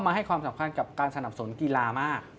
ให้ความสำคัญกับการสนับสนุนกีฬามาก